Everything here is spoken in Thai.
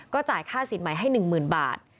จ่ายค่าสินใหม่ให้๑๐๐๐บาท